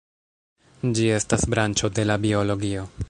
Ĝi estas branĉo de la biologio.